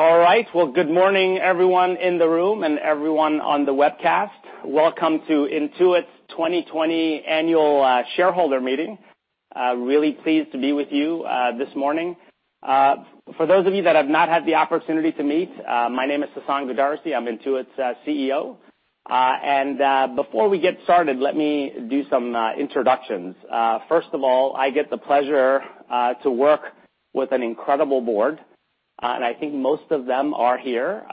All right. Well, good morning everyone in the room and everyone on the webcast. Welcome to Intuit's 2020 annual shareholder meeting. Really pleased to be with you this morning. For those of you that have not had the opportunity to meet, my name is Sasan Goodarzi, I'm Intuit's CEO. Before we get started, let me do some introductions. First of all, I get the pleasure to work with an incredible board, and I think most of them are here.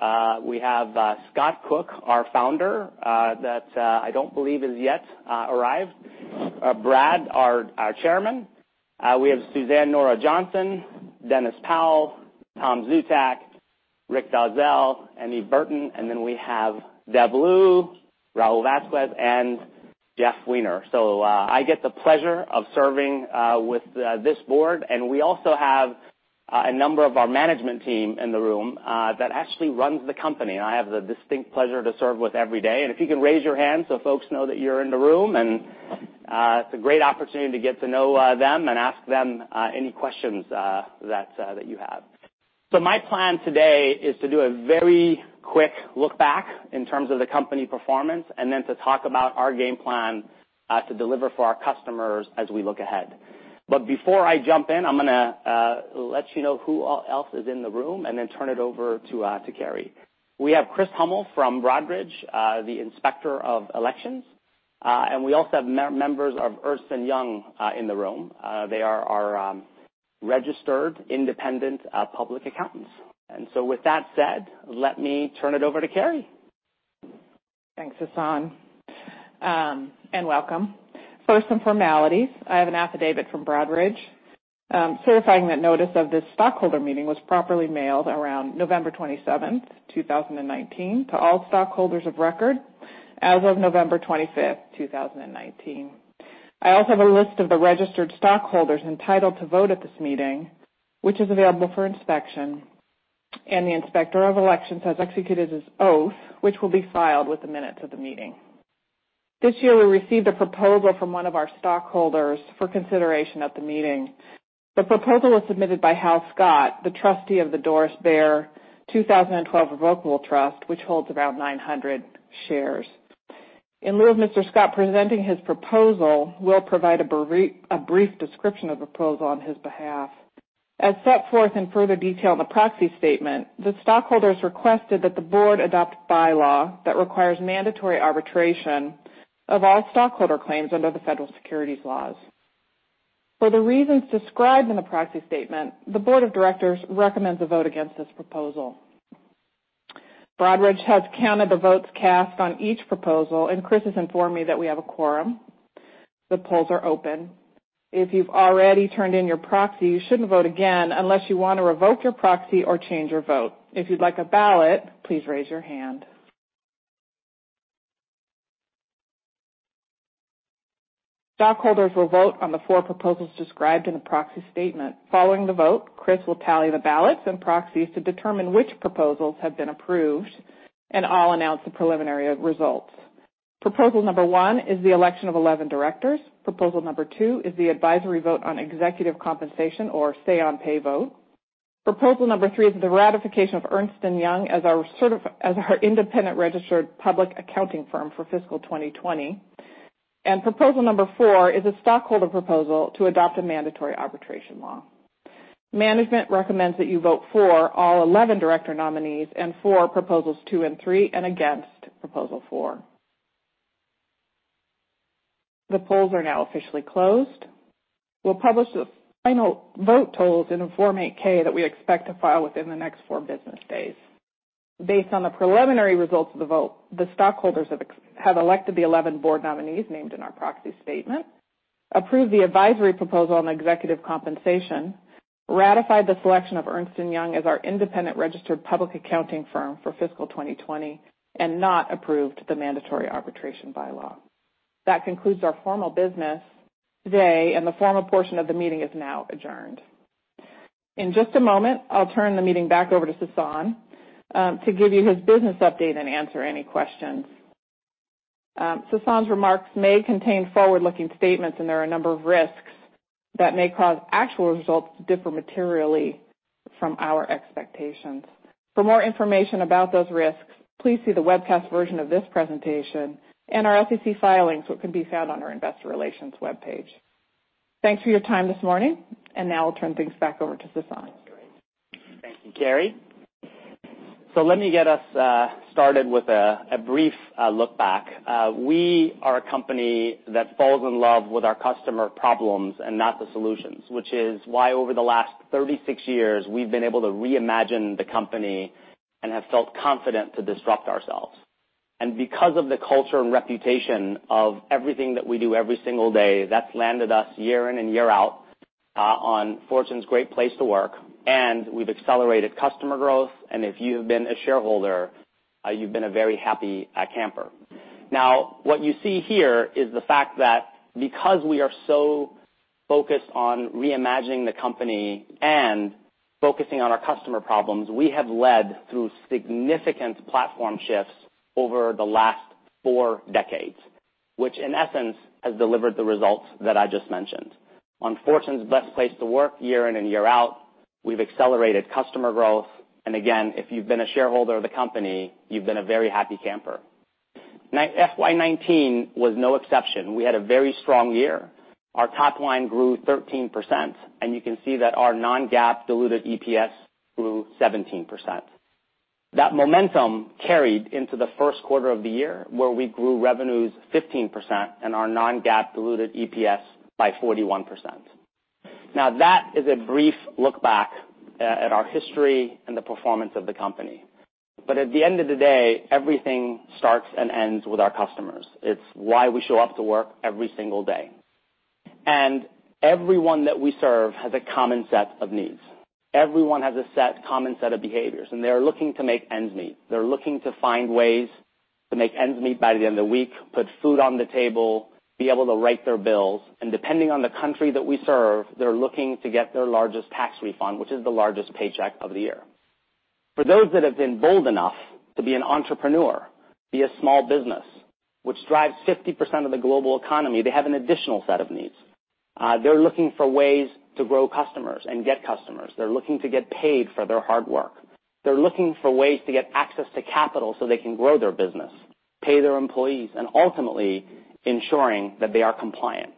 We have Scott Cook, our founder, that I don't believe has yet arrived. Brad, our chairman. We have Suzanne Nora Johnson, Dennis Powell, Tom Szkutak, Rick Dalzell, Eve Burton, and then we have Deb Liu, Raul Vazquez, and Jeff Weiner. I get the pleasure of serving with this board, and we also have a number of our management team in the room that actually runs the company, and I have the distinct pleasure to serve with every day. If you can raise your hand so folks know that you're in the room, and it's a great opportunity to get to know them and ask them any questions that you have. My plan today is to do a very quick look back in terms of the company performance, and then to talk about our game plan to deliver for our customers as we look ahead. Before I jump in, I'm going to let you know who else is in the room and then turn it over to Kerry. We have Chris Hummel from Broadridge, the Inspector of Elections, and we also have members of Ernst & Young in the room. They are our registered independent public accountants. With that said, let me turn it over to Kerry. Thanks, Sasan, and welcome. First, some formalities. I have an affidavit from Broadridge certifying that notice of this stockholder meeting was properly mailed around November 27, 2019, to all stockholders of record as of November 25, 2019. I also have a list of the registered stockholders entitled to vote at this meeting, which is available for inspection, and the Inspector of Elections has executed his oath, which will be filed with the minutes of the meeting. This year, we received a proposal from one of our stockholders for consideration at the meeting. The proposal was submitted by Hal Scott, the trustee of the Doris Behr 2012 Irrevocable Trust, which holds around 900 shares. In lieu of Mr. Scott presenting his proposal, we'll provide a brief description of the proposal on his behalf. As set forth in further detail in the proxy statement, the stockholders requested that the board adopt bylaw that requires mandatory arbitration of all stockholder claims under the federal securities laws. For the reasons described in the proxy statement, the board of directors recommends a vote against this proposal. Broadridge has counted the votes cast on each proposal, and Chris has informed me that we have a quorum. The polls are open. If you've already turned in your proxy, you shouldn't vote again unless you want to revoke your proxy or change your vote. If you'd like a ballot, please raise your hand. Stockholders will vote on the four proposals described in the proxy statement. Following the vote, Chris will tally the ballots and proxies to determine which proposals have been approved, and I'll announce the preliminary results. Proposal number one is the election of 11 directors. Proposal number two is the advisory vote on executive compensation or say-on-pay vote. Proposal number three is the ratification of Ernst & Young as our independent registered public accounting firm for fiscal 2020. Proposal number four is a stockholder proposal to adopt a mandatory arbitration law. Management recommends that you vote for all 11 director nominees and for proposals two and three and against proposal four. The polls are now officially closed. We'll publish the final vote totals in a Form 8-K that we expect to file within the next four business days. Based on the preliminary results of the vote, the stockholders have elected the 11 board nominees named in our proxy statement, approved the advisory proposal on executive compensation, ratified the selection of Ernst & Young as our independent registered public accounting firm for fiscal 2020, and not approved the mandatory arbitration bylaw. That concludes our formal business today, and the formal portion of the meeting is now adjourned. In just a moment, I'll turn the meeting back over to Sasan, to give you his business update and answer any questions. Sasan's remarks may contain forward-looking statements, and there are a number of risks that may cause actual results to differ materially from our expectations. For more information about those risks, please see the webcast version of this presentation and our SEC filings, what can be found on our investor relations webpage. Thanks for your time this morning, and now I'll turn things back over to Sasan. Thank you, Kerry. Let me get us started with a brief look back. We are a company that falls in love with our customer problems and not the solutions, which is why over the last 36 years, we've been able to reimagine the company and have felt confident to disrupt ourselves. Because of the culture and reputation of everything that we do every single day, that's landed us year in and year out on Fortune's great place to work, and we've accelerated customer growth, and if you've been a shareholder, you've been a very happy camper. What you see here is the fact that because we are so focused on reimagining the company and focusing on our customer problems, we have led through significant platform shifts over the last four decades, which in essence, has delivered the results that I just mentioned. On Fortune's best place to work year in and year out, we've accelerated customer growth, and again, if you've been a shareholder of the company, you've been a very happy camper. FY 2019 was no exception. We had a very strong year. Our top line grew 13%, and you can see that our non-GAAP diluted EPS grew 17%. That momentum carried into the first quarter of the year, where we grew revenues 15% and our non-GAAP diluted EPS by 41%. Now, that is a brief look back at our history and the performance of the company. At the end of the day, everything starts and ends with our customers. It's why we show up to work every single day. Everyone that we serve has a common set of needs. Everyone has a common set of behaviors, and they're looking to make ends meet. They're looking to find ways to make ends meet by the end of week, put food on the table, be able to write their bills, and depending on the country that we serve, they're looking to get their largest tax refund, which is the largest paycheck of the year. For those that have been bold enough to be an entrepreneur, be a small business, which drives 50% of the global economy, they have an additional set of needs. They're looking for ways to grow customers and get customers. They're looking to get paid for their hard work. They're looking for ways to get access to capital so they can grow their business, pay their employees, and ultimately ensuring that they are compliant.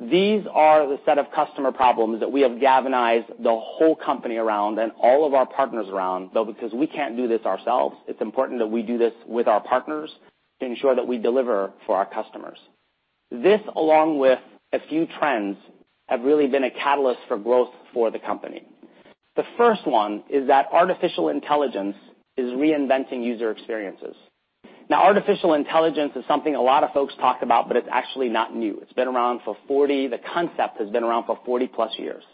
These are the set of customer problems that we have galvanized the whole company around and all of our partners around, though because we can't do this ourselves, it's important that we do this with our partners to ensure that we deliver for our customers. This, along with a few trends, have really been a catalyst for growth for the company. The first one is that artificial intelligence is reinventing user experiences. Now, artificial intelligence is something a lot of folks talk about, but it's actually not new. The concept has been around for 40 plus years.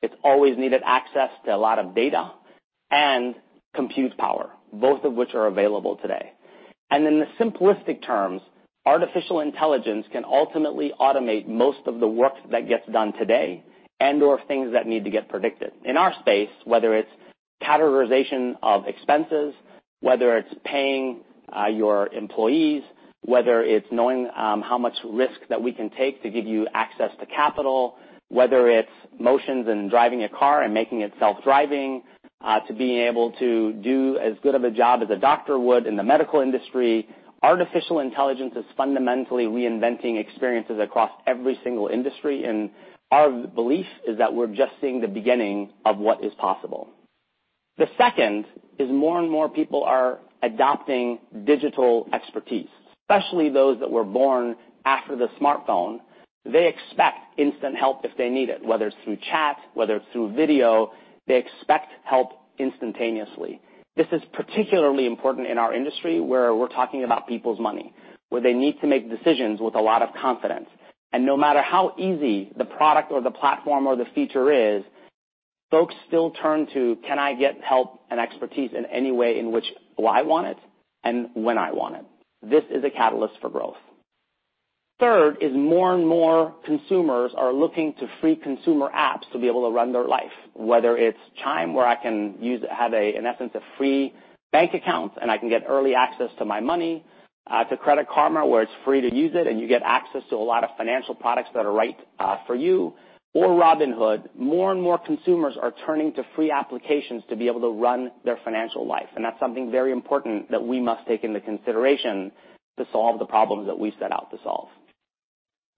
It's always needed access to a lot of data and compute power, both of which are available today. In the simplistic terms, artificial intelligence can ultimately automate most of the work that gets done today and or things that need to get predicted. In our space, whether it's categorization of expenses, whether it's paying your employees, whether it's knowing how much risk that we can take to give you access to capital, whether it's motions in driving a car and making it self-driving, to being able to do as good of a job as a doctor would in the medical industry. Artificial intelligence is fundamentally reinventing experiences across every single industry, and our belief is that we're just seeing the beginning of what is possible. The second is more and more people are adopting digital expertise, especially those that were born after the smartphone. They expect instant help if they need it, whether it's through chat, whether it's through video, they expect help instantaneously. This is particularly important in our industry, where we're talking about people's money, where they need to make decisions with a lot of confidence. No matter how easy the product or the platform or the feature is, folks still turn to, can I get help and expertise in any way in which I want it and when I want it? This is a catalyst for growth. Third is more and more consumers are looking to free consumer apps to be able to run their life. Whether it's Chime, where I can have, in essence, a free bank account, and I can get early access to my money, to Credit Karma, where it's free to use it, and you get access to a lot of financial products that are right for you, or Robinhood. More and more consumers are turning to free applications to be able to run their financial life. That's something very important that we must take into consideration to solve the problems that we set out to solve.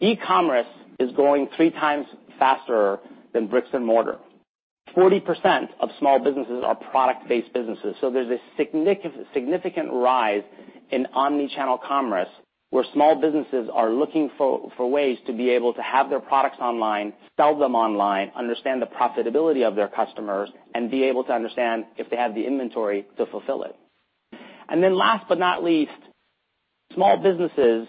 e-commerce is growing three times faster than bricks and mortar. 40% of small businesses are product-based businesses, so there's a significant rise in omni-channel commerce, where small businesses are looking for ways to be able to have their products online, sell them online, understand the profitability of their customers, and be able to understand if they have the inventory to fulfill it. Last but not least, small businesses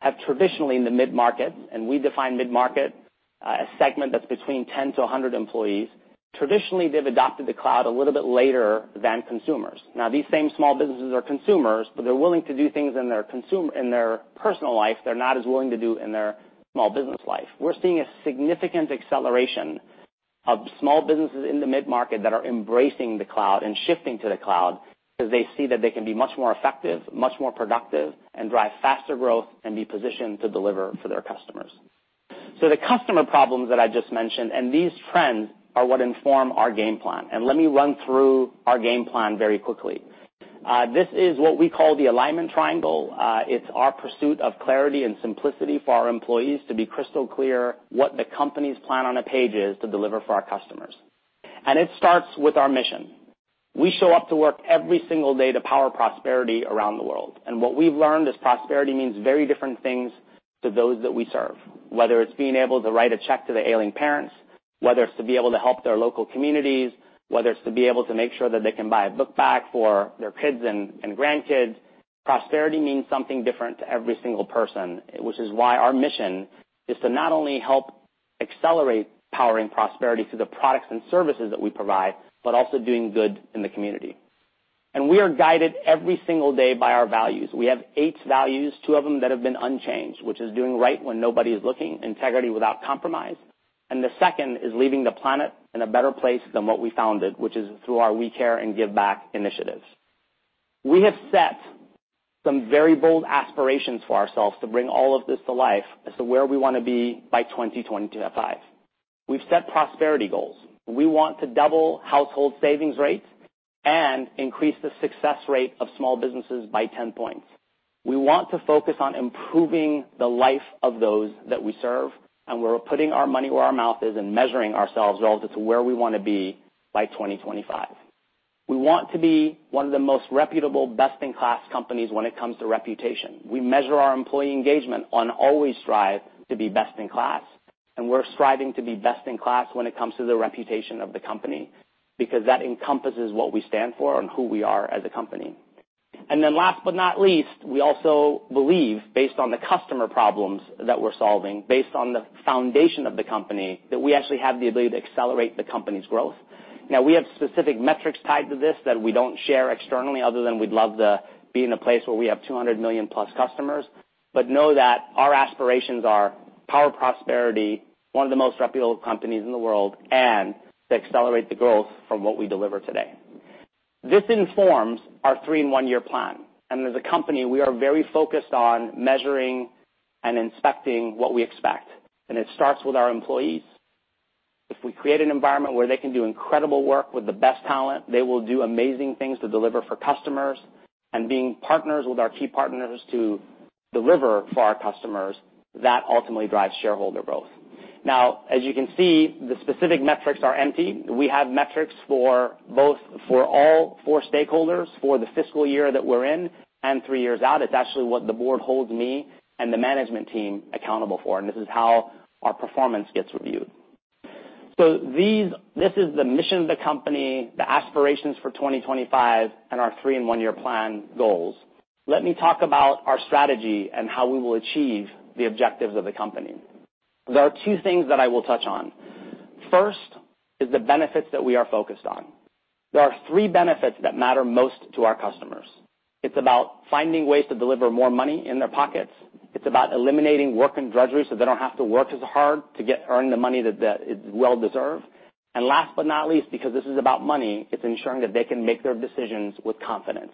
have traditionally in the mid-market, and we define mid-market a segment that's between 10 to 100 employees. Traditionally, they've adopted the cloud a little bit later than consumers. Now, these same small businesses are consumers, but they're willing to do things in their personal life they're not as willing to do in their small business life. We're seeing a significant acceleration of small businesses in the mid-market that are embracing the cloud and shifting to the cloud because they see that they can be much more effective, much more productive, and drive faster growth and be positioned to deliver for their customers. The customer problems that I just mentioned, and these trends are what inform our game plan. Let me run through our game plan very quickly. This is what we call the alignment triangle. It's our pursuit of clarity and simplicity for our employees to be crystal clear what the company's plan on a page is to deliver for our customers. It starts with our mission. We show up to work every single day to power prosperity around the world. What we've learned is prosperity means very different things to those that we serve, whether it's being able to write a check to their ailing parents, whether it's to be able to help their local communities, whether it's to be able to make sure that they can buy a book bag for their kids and grandkids. Prosperity means something different to every single person, which is why our mission is to not only help accelerate powering prosperity through the products and services that we provide, but also doing good in the community. We are guided every single day by our values. We have eight values, two of them that have been unchanged, which is doing right when nobody is looking, integrity without compromise. The second is leaving the planet in a better place than what we found it, which is through our We Care and Give Back initiatives. We have set some very bold aspirations for ourselves to bring all of this to life as to where we want to be by 2025. We've set prosperity goals. We want to double household savings rates and increase the success rate of small businesses by 10 points. We want to focus on improving the life of those that we serve, and we're putting our money where our mouth is in measuring ourselves relative to where we want to be by 2025. We want to be one of the most reputable, best-in-class companies when it comes to reputation. We measure our employee engagement on always strive to be best in class. We're striving to be best in class when it comes to the reputation of the company because that encompasses what we stand for and who we are as a company. Last but not least, we also believe, based on the customer problems that we're solving, based on the foundation of the company, that we actually have the ability to accelerate the company's growth. We have specific metrics tied to this that we don't share externally other than we'd love to be in a place where we have 200 million+ customers. Know that our aspirations are power prosperity, one of the most reputable companies in the world, and to accelerate the growth from what we deliver today. This informs our three-in-one year plan. As a company, we are very focused on measuring and inspecting what we expect. It starts with our employees. If we create an environment where they can do incredible work with the best talent, they will do amazing things to deliver for customers and being partners with our key partners to deliver for our customers. That ultimately drives shareholder growth. As you can see, the specific metrics are empty. We have metrics for all four stakeholders for the fiscal year that we're in and three years out. It's actually what the board holds me and the management team accountable for, and this is how our performance gets reviewed. This is the mission of the company, the aspirations for 2025, and our three-in-one year plan goals. Let me talk about our strategy and how we will achieve the objectives of the company. There are two things that I will touch on. First is the benefits that we are focused on. There are three benefits that matter most to our customers. It's about finding ways to deliver more money in their pockets. It's about eliminating work and drudgery so they don't have to work as hard to earn the money that is well deserved. Last but not least because this is about money, it's ensuring that they can make their decisions with confidence.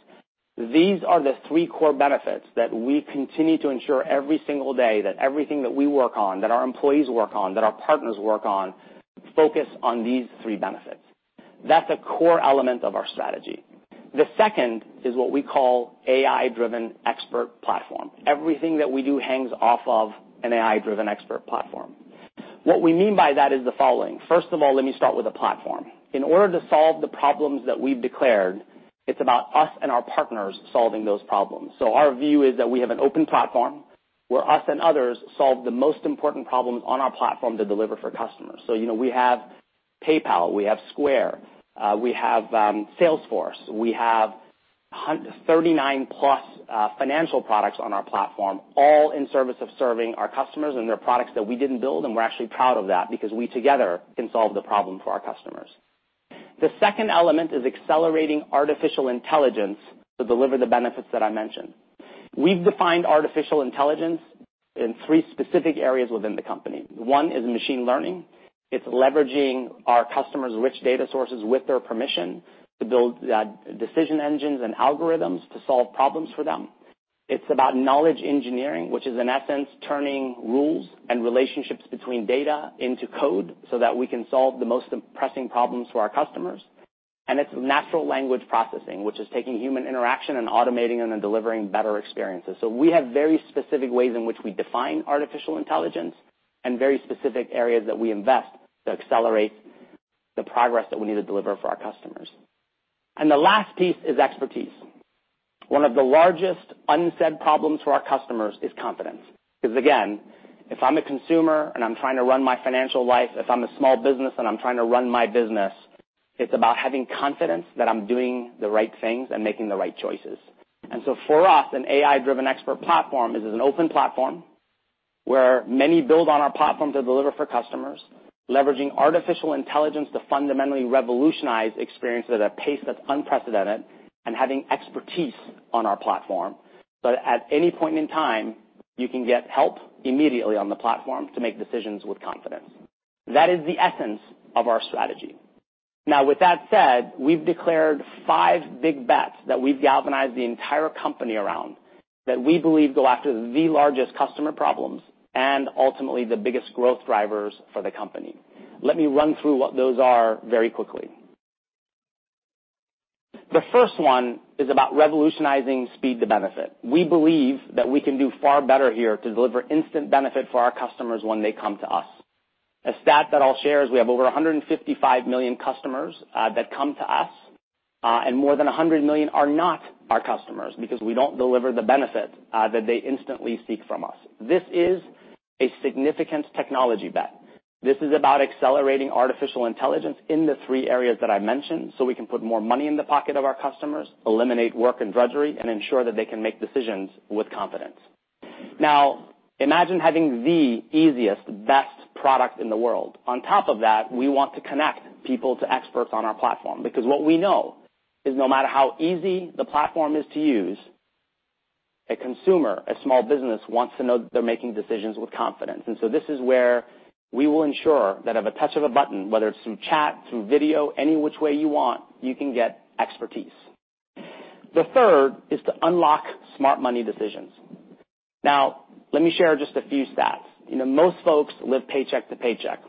These are the three core benefits that we continue to ensure every single day that everything that we work on, that our employees work on, that our partners work on, focus on these three benefits. That's a core element of our strategy. The second is what we call AI-driven expert platform. Everything that we do hangs off of an AI-driven expert platform. What we mean by that is the following. First of all, let me start with the platform. In order to solve the problems that we've declared, it's about us and our partners solving those problems. Our view is that we have an open platform where us and others solve the most important problems on our platform to deliver for customers. We have PayPal, we have Square, we have Salesforce. We have 39 plus financial products on our platform, all in service of serving our customers and their products that we didn't build, and we're actually proud of that because we together can solve the problem for our customers. The second element is accelerating artificial intelligence to deliver the benefits that I mentioned. We've defined artificial intelligence in three specific areas within the company. One is machine learning. It's leveraging our customers' rich data sources with their permission to build decision engines and algorithms to solve problems for them. It's about knowledge engineering, which is in essence turning rules and relationships between data into code so that we can solve the most pressing problems for our customers. It's natural language processing, which is taking human interaction and automating and then delivering better experiences. We have very specific ways in which we define artificial intelligence and very specific areas that we invest to accelerate the progress that we need to deliver for our customers. The last piece is expertise. One of the largest unsaid problems for our customers is confidence. Because again, if I'm a consumer and I'm trying to run my financial life, if I'm a small business and I'm trying to run my business, it's about having confidence that I'm doing the right things and making the right choices. For us, an AI-driven expert platform is an open platform where many build on our platform to deliver for customers, leveraging artificial intelligence to fundamentally revolutionize experience at a pace that's unprecedented, and having expertise on our platform. At any point in time, you can get help immediately on the platform to make decisions with confidence. That is the essence of our strategy. Now, with that said, we've declared five big bets that we've galvanized the entire company around that we believe go after the largest customer problems and ultimately the biggest growth drivers for the company. Let me run through what those are very quickly. The first one is about revolutionizing speed to benefit. We believe that we can do far better here to deliver instant benefit for our customers when they come to us. A stat that I'll share is we have over 155 million customers that come to us, and more than 100 million are not our customers because we don't deliver the benefit that they instantly seek from us. This is a significant technology bet. This is about accelerating artificial intelligence in the three areas that I mentioned so we can put more money in the pocket of our customers, eliminate work and drudgery, and ensure that they can make decisions with confidence. Now, imagine having the easiest, best product in the world. On top of that, we want to connect people to experts on our platform because what we know is no matter how easy the platform is to use. A consumer, a small business wants to know that they're making decisions with confidence. This is where we will ensure that at the touch of a button, whether it's through chat, through video, any which way you want, you can get expertise. The third is to unlock smart money decisions. Let me share just a few stats. Most folks live paycheck to paycheck.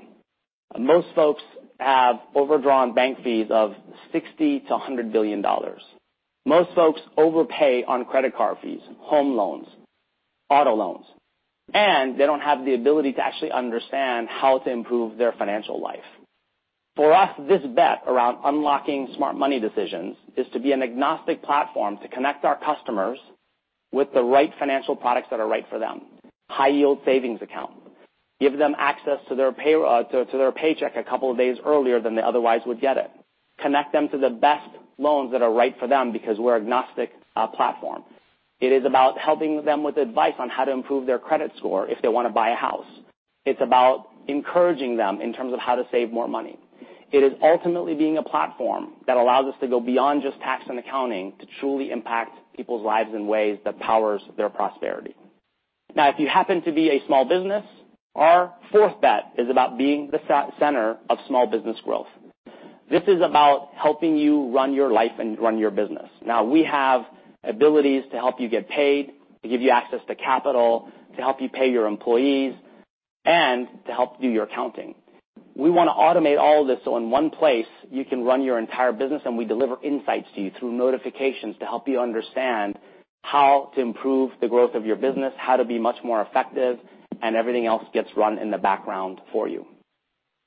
Most folks have overdrawn bank fees of $60 billion-$100 billion. Most folks overpay on credit card fees, home loans, auto loans, and they don't have the ability to actually understand how to improve their financial life. For us, this bet around unlocking smart money decisions is to be an agnostic platform to connect our customers with the right financial products that are right for them. High yield savings account. Give them access to their paycheck a couple of days earlier than they otherwise would get it. Connect them to the best loans that are right for them because we're agnostic platform. It is about helping them with advice on how to improve their credit score if they want to buy a house. It's about encouraging them in terms of how to save more money. It is ultimately being a platform that allows us to go beyond just tax and accounting to truly impact people's lives in ways that powers their prosperity. Now, if you happen to be a small business, our fourth bet is about being the center of small business growth. This is about helping you run your life and run your business. We have abilities to help you get paid, to give you access to capital, to help you pay your employees, and to help do your accounting. We want to automate all of this, so in one place, you can run your entire business, and we deliver insights to you through notifications to help you understand how to improve the growth of your business, how to be much more effective, and everything else gets run in the background for you.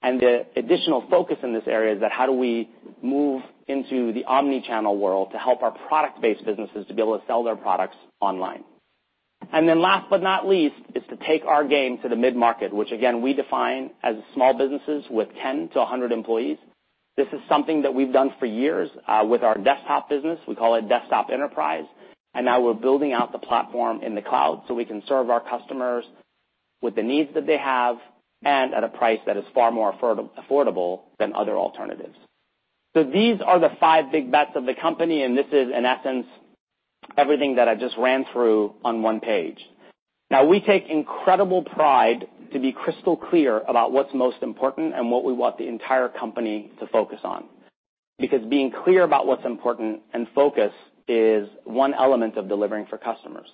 The additional focus in this area is that how do we move into the omni-channel world to help our product-based businesses to be able to sell their products online. Last but not least, is to take our game to the mid-market, which again, we define as small businesses with 10 to 100 employees. This is something that we've done for years with our desktop business. We call it Desktop Enterprise, now we're building out the platform in the cloud so we can serve our customers with the needs that they have and at a price that is far more affordable than other alternatives. These are the five big bets of the company, this is, in essence, everything that I just ran through on one page. Now, we take incredible pride to be crystal clear about what's most important and what we want the entire company to focus on. Being clear about what's important and focus is one element of delivering for customers.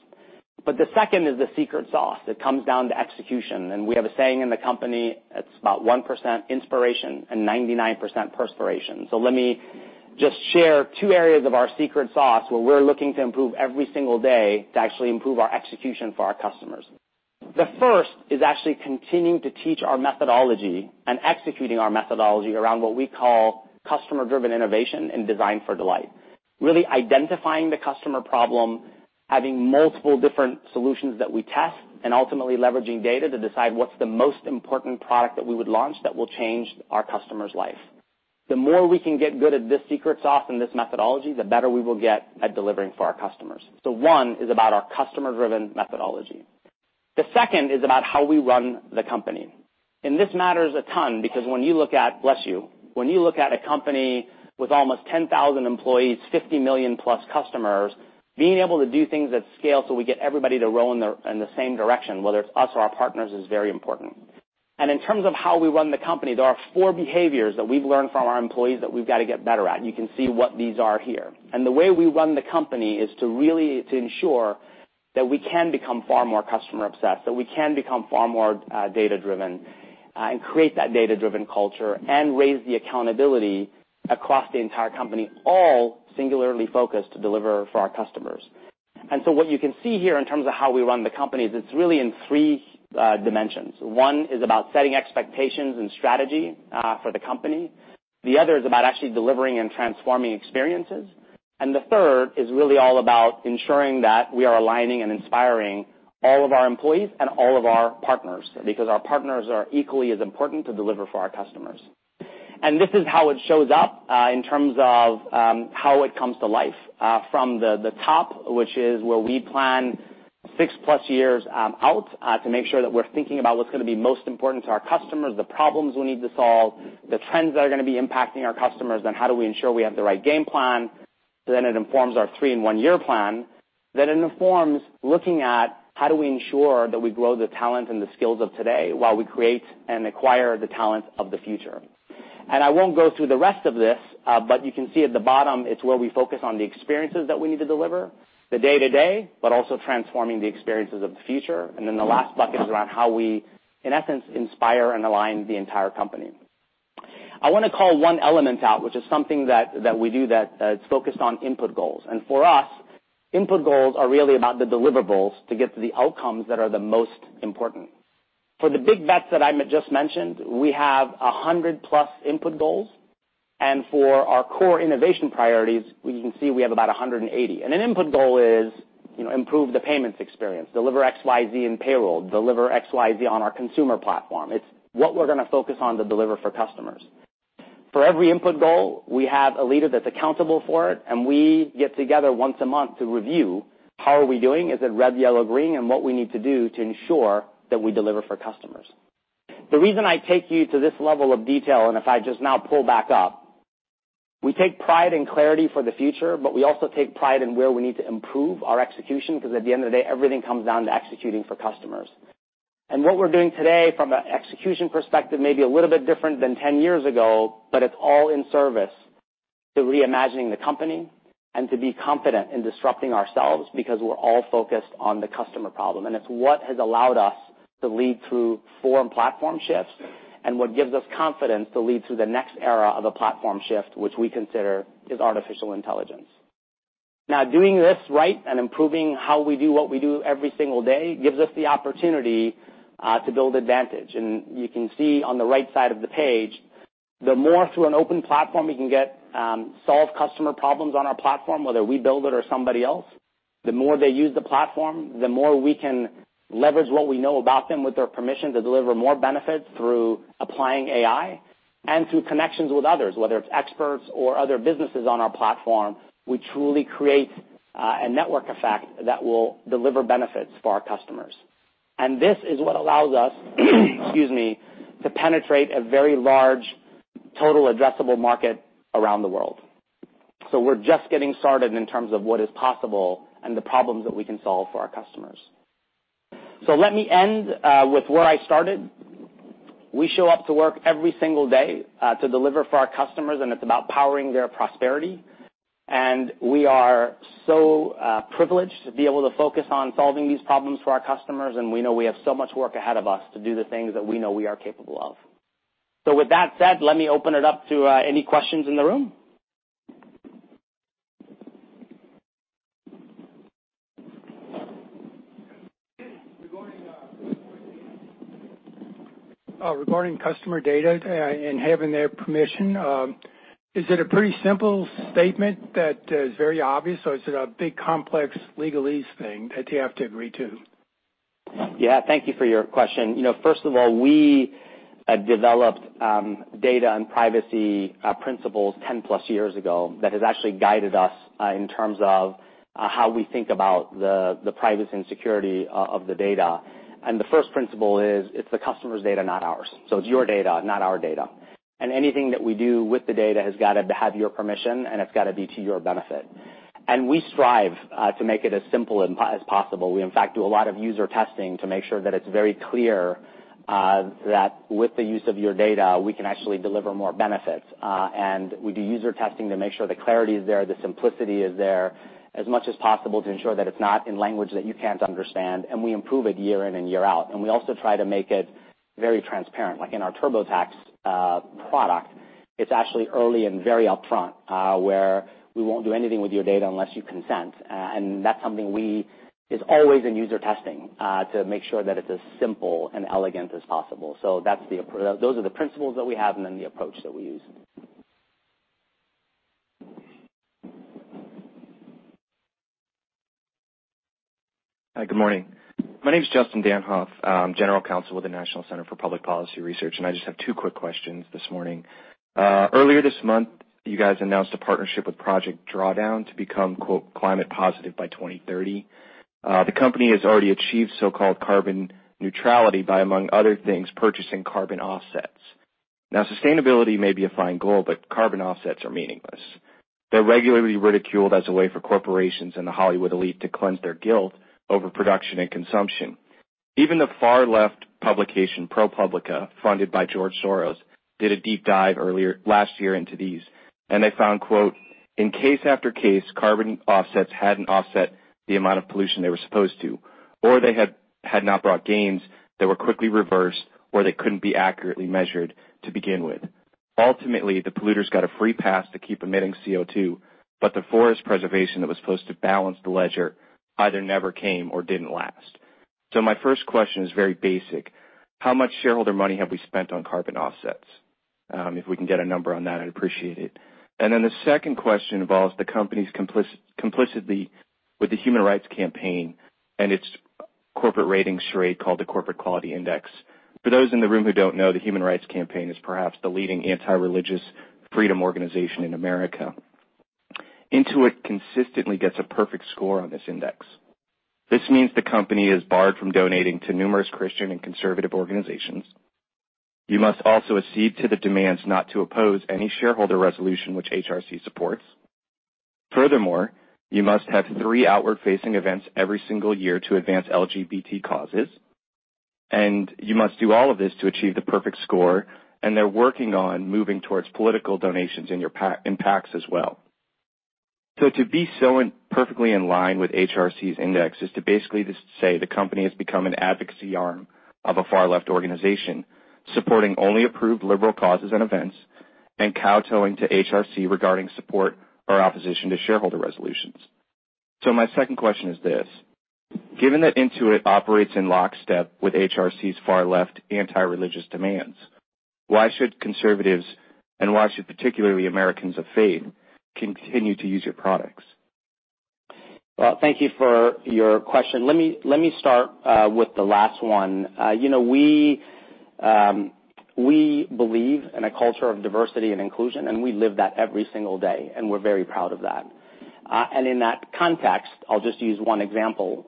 The second is the secret sauce that comes down to execution, we have a saying in the company, it's about 1% inspiration and 99% perspiration. Let me just share two areas of our secret sauce where we're looking to improve every single day to actually improve our execution for our customers. The first is actually continuing to teach our methodology and executing our methodology around what we call Customer-driven innovation and Design for Delight. Really identifying the customer problem, having multiple different solutions that we test, and ultimately leveraging data to decide what's the most important product that we would launch that will change our customer's life. The more we can get good at this secret sauce and this methodology, the better we will get at delivering for our customers. One is about our customer-driven methodology. The second is about how we run the company. This matters a ton because when you look at, bless you, a company with almost 10,000 employees, 50 million plus customers, being able to do things at scale so we get everybody to row in the same direction, whether it's us or our partners, is very important. In terms of how we run the company, there are four behaviors that we've learned from our employees that we've got to get better at. You can see what these are here. The way we run the company is to really ensure that we can become far more customer-obsessed, that we can become far more data-driven and create that data-driven culture and raise the accountability across the entire company, all singularly focused to deliver for our customers. What you can see here in terms of how we run the company is it's really in three dimensions. One is about setting expectations and strategy for the company. The other is about actually delivering and transforming experiences. The third is really all about ensuring that we are aligning and inspiring all of our employees and all of our partners, because our partners are equally as important to deliver for our customers. This is how it shows up in terms of how it comes to life from the top, which is where we plan six plus years out to make sure that we're thinking about what's going to be most important to our customers, the problems we need to solve, the trends that are going to be impacting our customers, and how do we ensure we have the right game plan. It informs our three and one-year plan. It informs looking at how do we ensure that we grow the talent and the skills of today while we create and acquire the talent of the future. I won't go through the rest of this, but you can see at the bottom, it's where we focus on the experiences that we need to deliver, the day-to-day, but also transforming the experiences of the future. The last bucket is around how we, in essence, inspire and align the entire company. I want to call one element out, which is something that we do that is focused on input goals. For us, input goals are really about the deliverables to get to the outcomes that are the most important. For the big bets that I just mentioned, we have 100+ input goals, and for our core innovation priorities, you can see we have about 180. An input goal is improve the payments experience, deliver XYZ in payroll, deliver XYZ on our consumer platform. It's what we're going to focus on to deliver for customers. For every input goal, we have a leader that's accountable for it, and we get together once a month to review how are we doing, is it red, yellow, green, and what we need to do to ensure that we deliver for customers. The reason I take you to this level of detail. If I just now pull back up, we take pride in clarity for the future, but we also take pride in where we need to improve our execution, because at the end of the day, everything comes down to executing for customers. What we're doing today from an execution perspective may be a little bit different than 10 years ago, but it's all in service to reimagining the company and to be confident in disrupting ourselves because we're all focused on the customer problem, and it's what has allowed us to lead through four platform shifts and what gives us confidence to lead to the next era of a platform shift, which we consider is artificial intelligence. Now, doing this right and improving how we do what we do every single day gives us the opportunity to build advantage. You can see on the right side of the page, the more through an open platform we can solve customer problems on our platform, whether we build it or somebody else, the more they use the platform, the more we can leverage what we know about them with their permission to deliver more benefits through applying AI and through connections with others, whether it's experts or other businesses on our platform. We truly create a network effect that will deliver benefits for our customers. This is what allows us to penetrate a very large total addressable market around the world. We're just getting started in terms of what is possible and the problems that we can solve for our customers. Let me end with where I started. We show up to work every single day to deliver for our customers, and it's about powering their prosperity. We are so privileged to be able to focus on solving these problems for our customers, and we know we have so much work ahead of us to do the things that we know we are capable of. With that said, let me open it up to any questions in the room. Regarding customer data and having their permission, is it a pretty simple statement that is very obvious, or is it a big, complex legalese thing that they have to agree to? Yeah. Thank you for your question. First of all, we developed data and privacy principles 10-plus years ago that has actually guided us in terms of how we think about the privacy and security of the data. The first principle is it's the customer's data, not ours. It's your data, not our data. Anything that we do with the data has got to have your permission, and it's got to be to your benefit. We strive to make it as simple as possible. We, in fact, do a lot of user testing to make sure that it's very clear that with the use of your data, we can actually deliver more benefits. We do user testing to make sure the clarity is there, the simplicity is there as much as possible to ensure that it's not in language that you can't understand, and we improve it year in and year out. We also try to make it very transparent. Like in our TurboTax product, it's actually early and very upfront where we won't do anything with your data unless you consent. That's something is always in user testing to make sure that it's as simple and elegant as possible. Those are the principles that we have and then the approach that we use. Hi, good morning. My name is Justin Danhof. I'm General Counsel with the National Center for Public Policy Research. I just have two quick questions this morning. Earlier this month, you guys announced a partnership with Project Drawdown to become "climate positive by 2030." The company has already achieved so-called carbon neutrality by, among other things, purchasing carbon offsets. Sustainability may be a fine goal. Carbon offsets are meaningless. They're regularly ridiculed as a way for corporations and the Hollywood elite to cleanse their guilt over production and consumption. Even the far-left publication, ProPublica, funded by George Soros, did a deep dive last year into these. They found, "In case after case, carbon offsets hadn't offset the amount of pollution they were supposed to, or they had not brought gains that were quickly reversed, or they couldn't be accurately measured to begin with. The polluters got a free pass to keep emitting CO2, but the forest preservation that was supposed to balance the ledger either never came or didn't last. My first question is very basic. How much shareholder money have we spent on carbon offsets? If we can get a number on that, I'd appreciate it. The second question involves the company's complicity with the Human Rights Campaign and its corporate rating charade called the Corporate Equality Index. For those in the room who don't know, the Human Rights Campaign is perhaps the leading anti-religious freedom organization in America. Intuit consistently gets a perfect score on this index. This means the company is barred from donating to numerous Christian and conservative organizations. You must also accede to the demands not to oppose any shareholder resolution which HRC supports. You must have three outward-facing events every single year to advance LGBT causes, and you must do all of this to achieve the perfect score, and they're working on moving towards political donations in PACs as well. To be so perfectly in line with HRC's index is to basically just say the company has become an advocacy arm of a far-left organization, supporting only approved liberal causes and events and kowtowing to HRC regarding support or opposition to shareholder resolutions. My second question is this. Given that Intuit operates in lockstep with HRC's far-left anti-religious demands, why should conservatives and why should particularly Americans of faith continue to use your products? Well, thank you for your question. Let me start with the last one. We believe in a culture of diversity and inclusion, and we live that every single day, and we're very proud of that. In that context, I'll just use one example.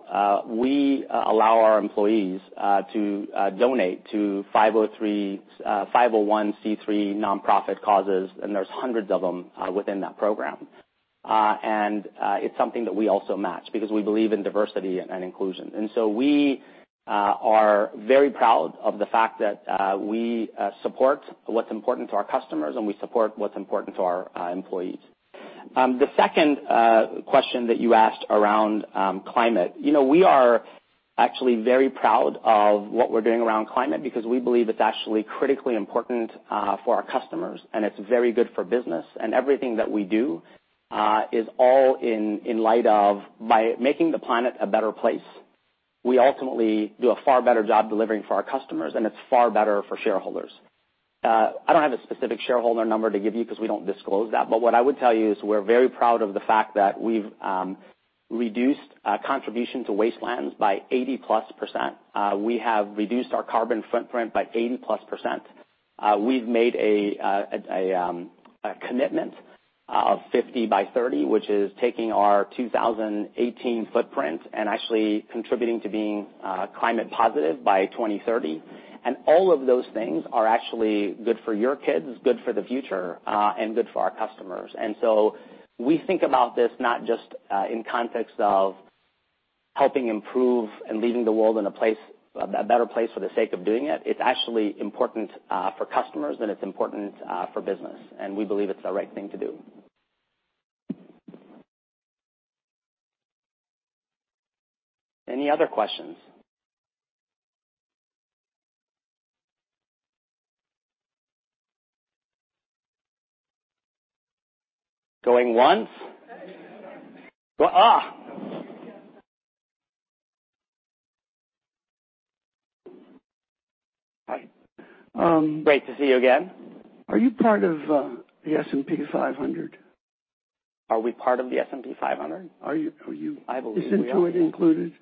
We allow our employees to donate to 501(c)(3) nonprofit causes, and there's hundreds of them within that program. It's something that we also match because we believe in diversity and inclusion. We are very proud of the fact that we support what's important to our customers and we support what's important to our employees. The second question that you asked around climate. We are actually very proud of what we're doing around climate because we believe it's actually critically important for our customers, and it's very good for business. Everything that we do is all in light of by making the planet a better place, we ultimately do a far better job delivering for our customers, and it's far better for shareholders. I don't have a specific shareholder number to give you because we don't disclose that. What I would tell you is we're very proud of the fact that we've reduced contribution to wastelands by 80-plus%. We have reduced our carbon footprint by 80-plus%. We've made a commitment of 50 by 30, which is taking our 2018 footprint and actually contributing to being climate positive by 2030. All of those things are actually good for your kids, good for the future, and good for our customers. We think about this not just in context of helping improve and leaving the world in a better place for the sake of doing it. It's actually important for customers, and it's important for business, and we believe it's the right thing to do. Any other questions? Going once. Hi. Great to see you again. Are you part of the S&P 500? Are we part of the S&P 500? Are you- I believe we are is Intuit included?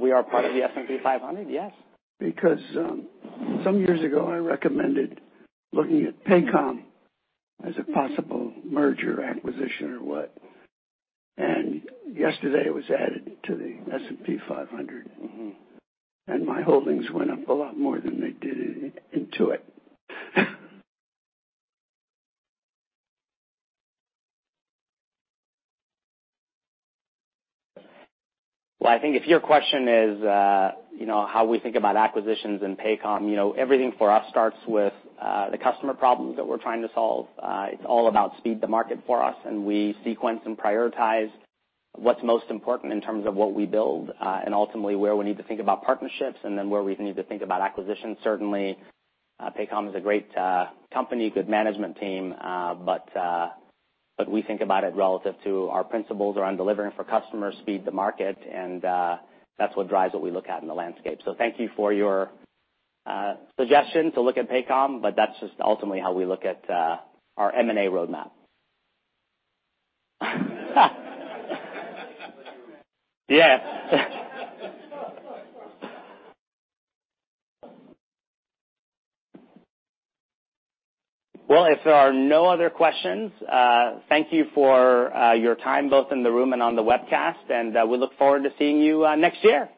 We are part of the S&P 500, yes. Some years ago, I recommended looking at Paycom as a possible merger acquisition or what, and yesterday it was added to the S&P 500. My holdings went up a lot more than they did at Intuit. Well, I think if your question is how we think about acquisitions and Paycom, everything for us starts with the customer problems that we're trying to solve. It's all about speed to market for us, and we sequence and prioritize what's most important in terms of what we build, and ultimately where we need to think about partnerships and then where we need to think about acquisitions. Certainly, Paycom is a great company, good management team. We think about it relative to our principles around delivering for customers, speed to market, and that's what drives what we look at in the landscape. Thank you for your suggestion to look at Paycom, but that's just ultimately how we look at our M&A roadmap. Yes. Well, if there are no other questions, thank you for your time, both in the room and on the webcast, and we look forward to seeing you next year.